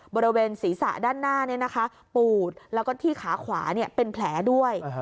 บริเวณศีรษะด้านหน้าปูดแล้วก็ที่ขาขวาเป็นแผลด้วย